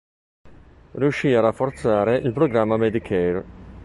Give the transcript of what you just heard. Riuscì a rafforzare il programma Medicare.